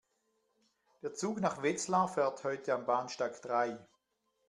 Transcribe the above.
Der Zug nach Wetzlar fährt heute am Bahnsteig drei